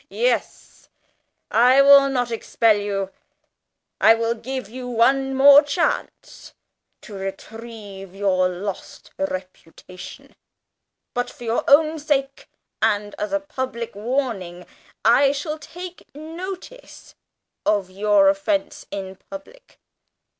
Yes, I will not expel you. I will give you one more chance to retrieve your lost reputation. But, for your own sake, and as a public warning, I shall take notice of your offence in public.